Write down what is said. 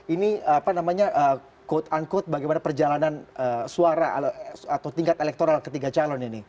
ini apa namanya quote unquote bagaimana perjalanan suara atau tingkat elektoral ketiga calon ini